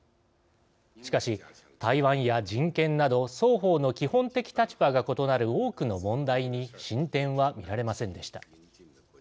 しかし台湾や人権など双方の基本的立場が異なる多くの問題に進展はみられませんでした。